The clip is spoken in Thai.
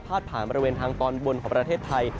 ผ่านบริเวณทางตอนบนของประเทศไทย